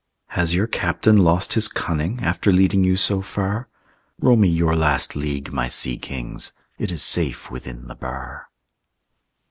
Has your captain lost his cunning After leading you so far? Row me your last league, my sea kings; It is safe within the bar.